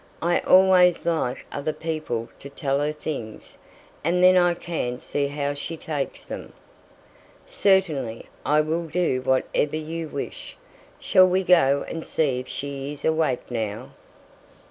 "I always like other people to tell her things, and then I can see how she takes them." "Certainly! I will do whatever you wish. Shall we go and see if she is awake now?"